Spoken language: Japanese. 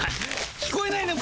聞こえないのか？